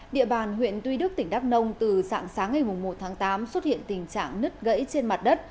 địa bàn huyện tuy đức tỉnh đắk nông từ sáng sáng ngày một tháng tám xuất hiện tình trạng nứt gãy trên mặt đất